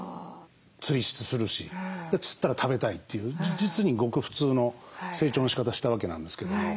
釣りするし釣ったら食べたいっていう実にごく普通の成長のしかたしたわけなんですけども。